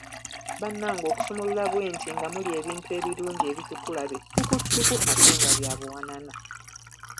Bannange okusumulula bwenti nga muli ebintu ebirungi ebitukula be ttukuttuku ate nga bya buwanana!